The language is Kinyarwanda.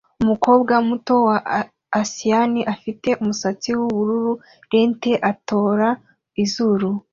Umukobwa muto wa asiyani ufite umusatsi wubururu lente atora izuru